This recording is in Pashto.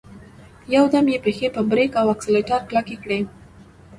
يودم يې پښې په بريک او اکسلېټر کلکې کړې.